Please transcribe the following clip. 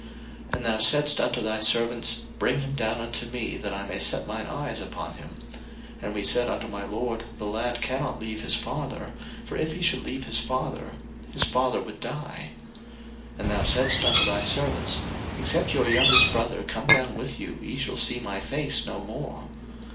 01:044:021 And thou saidst unto thy servants, Bring him down unto me, that I may set mine eyes upon him. 01:044:022 And we said unto my lord, The lad cannot leave his father: for if he should leave his father, his father would die. 01:044:023 And thou saidst unto thy servants, Except your youngest brother come down with you, ye shall see my face no more.